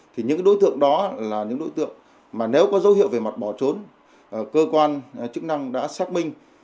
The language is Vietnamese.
thì những đối tượng đó là những đối tượng mà nếu có dấu hiệu về mặt bỏ trốn cơ quan chức năng đã xác minh